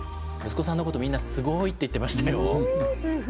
息子さんのことみんな「すごい」って言ってましたよ。